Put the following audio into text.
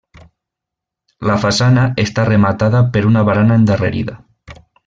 La façana està rematada per una barana endarrerida.